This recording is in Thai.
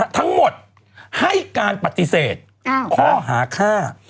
ทั้งหมดให้การปฏิเสธข้อหาฆ่า